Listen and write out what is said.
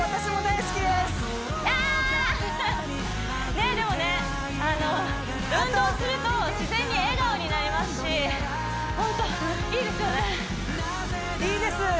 ねえでもね運動すると自然に笑顔になりますしホントいいですよねいいです